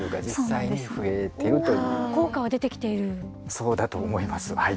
そうだと思いますはい。